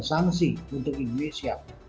sanksi untuk indonesia